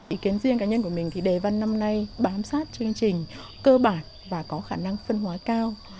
ý kiến riêng cá nhân của mình thì đề văn năm nay bám sát chương trình cơ bản và có khả năng phân hóa cao